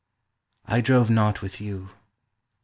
I drove not with you .